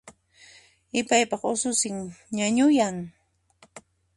Ipaypaq ususin ñañuyan